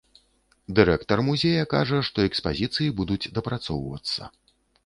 Дырэктар музея кажа, што экспазіцыі будуць дапрацоўвацца.